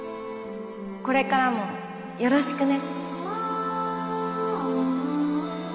これからもよろしくね。